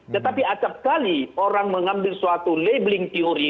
tetapi acak kali orang mengambil suatu labeling theory